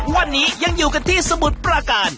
วันนี้ยังอยู่กันที่สมุทรปราการ